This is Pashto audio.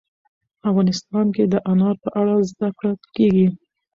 افغانستان کې د انار په اړه زده کړه کېږي.